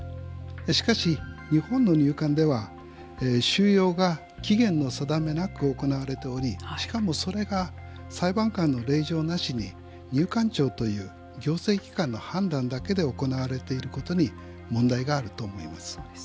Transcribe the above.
しかし、日本の入管では収容が期限の定めなく行われておりしかも、それが裁判官の令状なしに入管庁という行政機関の判断だけで行われていることに問題があると思います。